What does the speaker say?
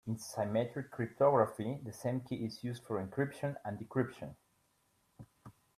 In symmetric cryptography the same key is used for encryption and decryption.